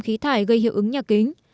khí thải gây hiệu ứng nhà kính